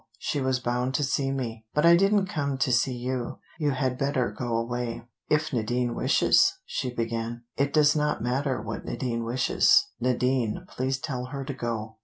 She was bound to see me. But I didn't come to see you. You had better go away." "If Nadine wishes " she began. "It does not matter what Nadine wishes. Nadine, please tell her to go."